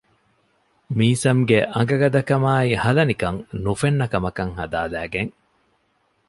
މީސަމް ގެ އަނގަ ގަދަކަމާއި ހަލަނިކަން ނުފެންނަ ކަމަކަށް ހަދާލައިގެން